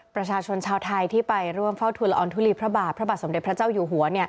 ประชาชนชาวไทยที่ไปร่วมเฝ้าทุนละอองทุลีพระบาทพระบาทสมเด็จพระเจ้าอยู่หัว